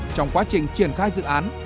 trong quá trình triển khai dự án